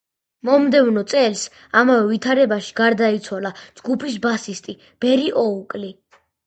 მომდევნო წელს ამავე ვითარებაში გარდაიცვალა ჯგუფის ბასისტი ბერი ოუკლი.